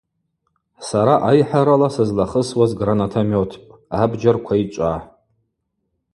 Сара айхӏарала сызлахысуаз гранатометпӏ – абджьар квайчӏва.